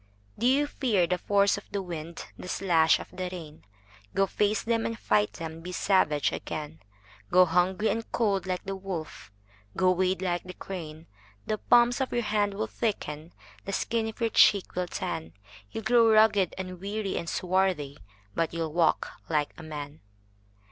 DO you fear the force of the wind, The slash of the rain? Go face them and fight them, Be savage again. Go hungry and cold like the wolf, Go wade like the crane:The palms of your hands will thicken, The skin of your cheek will tan, You 'll grow ragged and weary and swarthy, But you 'll walk like a man!